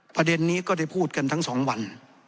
ประเด็นนี้ก็ได้พูดกันทั้งสองวัน